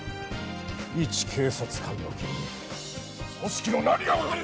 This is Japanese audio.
いち警察官の君に組織の何がわかる！